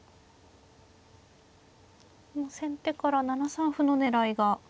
先手から７三歩の狙いが。